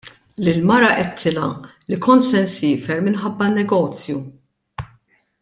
Lill-mara għidtilha li kont se nsiefer minħabba n-negozju.